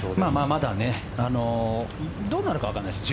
まだ、どうなるか分からないです。